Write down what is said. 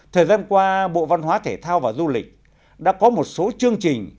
thời gian qua bộ văn hóa thể thao và du lịch đã có một số chương trình